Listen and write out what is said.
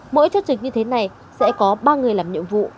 mỗi chốt dịch như thế này sẽ có ba người làm nhiệm vụ